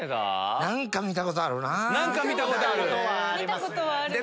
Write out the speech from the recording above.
何か見たことあるなぁ。